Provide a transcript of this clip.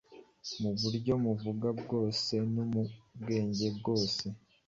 mu byo muvuga byose no mu bwenge bwose,